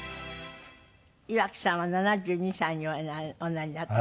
岩城さんは７２歳におなりなったんですね。